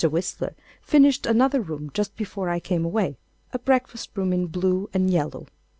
Whistler finished another room just before I came away—a breakfast room in blue and yellow.